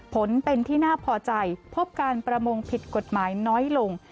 ผลเป็นที่น่าพอใจพบการประมงผิดกฎหมายน้อยลง